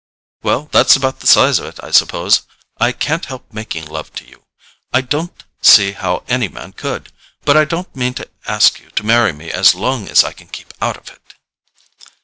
"Well, that's about the size of it, I suppose. I can't help making love to you—I don't see how any man could; but I don't mean to ask you to marry me as long as I can keep out of it."